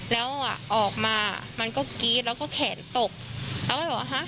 แล้วอ่ะออกมามันก็กรี๊ดแล้วก็แขนตกเราก็เลยบอกว่าฮะ